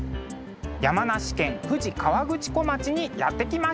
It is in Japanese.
山梨県富士河口湖町にやって来ました。